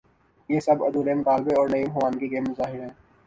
یہ سب ادھورے مطالعے اور نیم خوانگی کے مظاہر ہیں۔